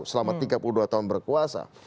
selama tiga puluh dua tahun berkuasa